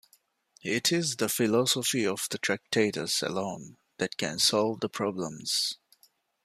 It is the philosophy of the Tractatus, alone, that can solve the problems.